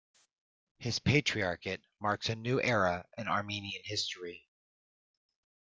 His patriarchate marks a new era in Armenian history.